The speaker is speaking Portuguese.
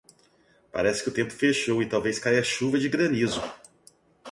Parece que o tempo fechou e talvez caia chuva de granizo